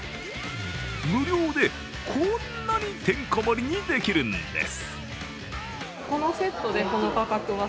無料でこんなにてんこ盛りにできるんです。